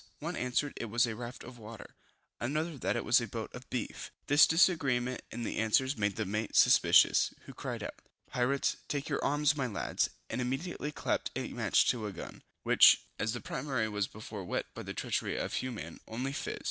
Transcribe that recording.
One answered it was a raft of water, another that it was a boat of beef; this disagreement in the answers made the mate suspicious, who cried out Pirates, take to your arms my lads, and immediately clapped a match to a gun, which, as the priming was before wet by the treachery of Hugh Man, only fizzed.